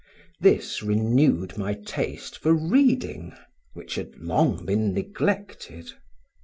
This renewed my taste for reading which had long been neglected.